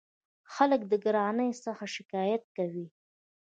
خلک د ګرانۍ څخه شکایت کوي.